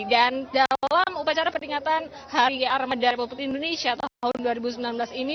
dalam upacara peringatan hari armada republik indonesia tahun dua ribu sembilan belas ini